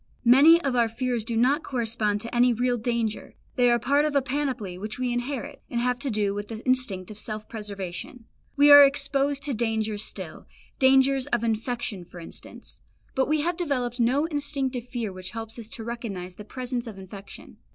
Many of our fears do not correspond to any real danger; they are part of a panoply which we inherit, and have to do with the instinct of self preservation. We are exposed to dangers still, dangers of infection for instance, but we have developed no instinctive fear which helps us to recognise the presence of infection.